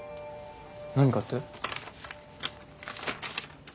何かって？